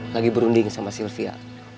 lagi berunding sama sylvia